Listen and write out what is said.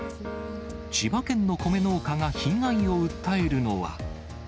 千葉県の米農家が被害を訴えるのは。